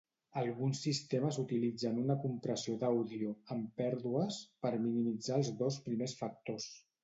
Alguns sistemes utilitzen una compressió d'àudio "amb pèrdues" per minimitzar els dos primers factors.